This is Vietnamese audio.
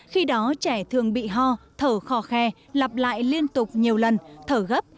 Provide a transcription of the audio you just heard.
khi đó trẻ thường bị ho thở khò khe lặp lại liên tục nhiều lần thở gấp